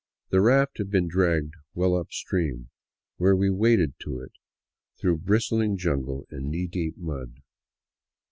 The raft had been dragged well up stream, where we waded to it through brist ling jungle and knee deep mud.